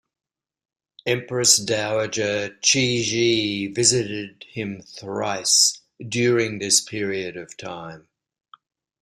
Empress Dowager Cixi visited him thrice during this period of time.